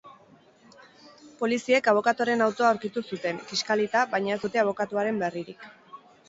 Poliziek abokatuaren autoa aurkitu zuten, kiskalita, baina ez dute abokatuaren berririk.